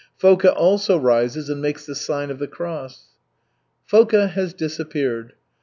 Foka also rises and makes the sign of the cross. Foka has disappeared.